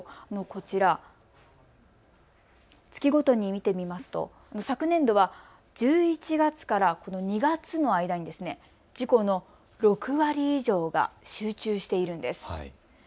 こちら、月ごとに見てみますと昨年度は１１月から２月の間に事故の６割以上が集中しているんです。